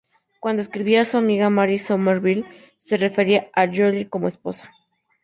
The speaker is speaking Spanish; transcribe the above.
Cuando escribía a su amiga Mary Somerville se refería a Lloyd como 'mi esposa'.